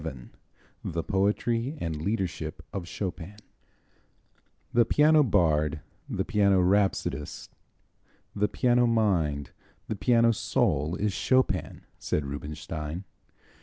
VII The Poetry and Leadership of Chopin "The piano bard, the piano rhapsodist, the piano mind, the piano soul is Chopin," said Rubinstein.